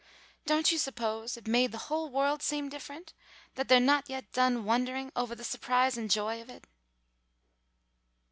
Don't you suppose it made the whole world seem different, that they're not yet done wondering ovah the surprise and joy of it?"